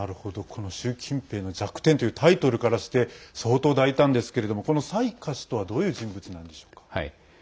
「習近平の弱点」というタイトルからして相当、大胆ですけれどもこの蔡霞氏とはどういう人物なんでしょうか。